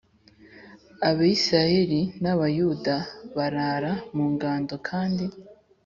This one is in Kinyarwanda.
Abisirayeli n Abayuda barara mu ngando kandi